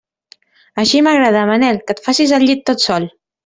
Així m'agrada, Manel, que et facis el llit tot sol.